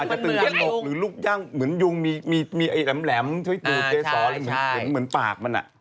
อาจจะตื่นข้างหลบหรือลูกย่างเหมือนยุงมีแหลมช่วยตื่นเจศรหรือเหมือนปากมัน